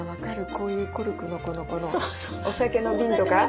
こういうコルクのこのお酒の瓶とか。